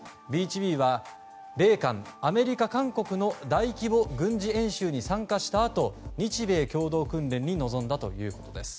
Ｂ１Ｂはアメリカ、韓国の大規模軍事演習に参加したあと日米共同訓練に臨んだということです。